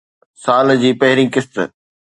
سال جي پهرين قسط